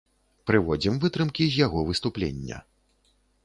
Прыводзім вытрымкі з яго выступлення.